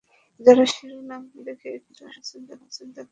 যারা শিরোনাম দেখে একটু সংশয়ে আছেন তাদের জন্য পরিষ্কার করে দেওয়া যাক।